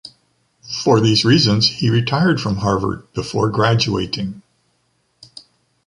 For these reasons, he retired from Harvard before graduating.